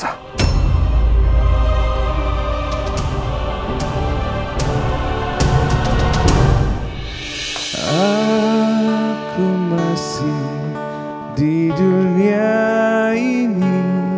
aku masih di dunia ini